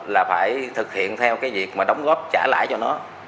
là phải thực hiện theo cái việc mà đóng góp trả lại cho nó